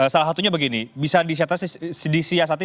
salah satunya begini bisa disiasati